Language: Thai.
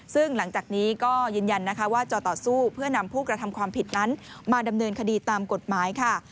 ซึ่งหลังจากนี้ก็ยืนยันนะคะว่าจะต่อสู้เพื่อนำผู้กระทำความผิดนั้นมาดำเนินคดีตามกฎหมายค่ะ